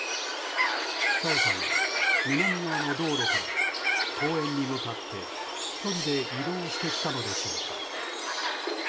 朝芽さんは南側の道路から公園に向かって１人で移動してきたのでしょうか。